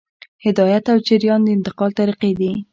هدایت او جریان د انتقال طریقې دي.